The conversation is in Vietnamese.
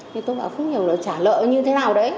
thì tôi bảo không hiểu là trả lợi như thế nào đấy